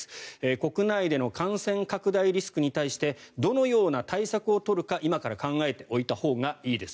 国内での感染拡大リスクに対してどのような対策を取るか今から考えておいたほうがいいです。